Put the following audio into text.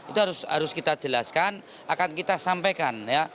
itu harus kita jelaskan akan kita sampaikan